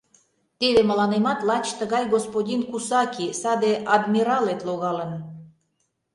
Теве мыланемат лач тыгай господин Кусаки, саде адмиралет, логалын.